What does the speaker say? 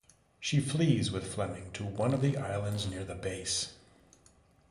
She flees with Fleming to one of the islands near the base.